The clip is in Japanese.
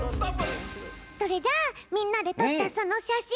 それじゃあみんなでとったそのしゃしん